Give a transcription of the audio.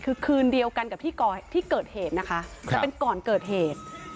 คือคืนเดียวกันกับที่เกิดเหตุนะคะแต่เป็นก่อนเกิดเหตุ